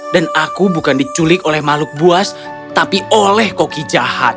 dan aku bukan diculik oleh makhluk buas tapi oleh koki jahat